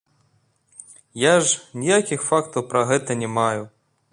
Я ж ніякіх фактаў пра гэта не маю.